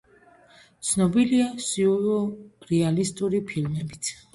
ცნობილია სიურრეალისტური ფილმებით.